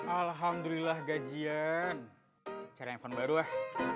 alhamdulillah gajian cari handphone baru lah